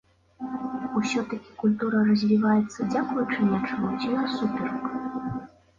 Усё такі, культура развіваецца дзякуючы нечаму ці насуперак?